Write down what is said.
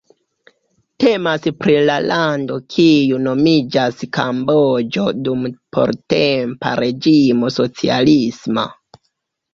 Temas pri la lando kiu nomiĝas Kamboĝo dum portempa reĝimo socialisma.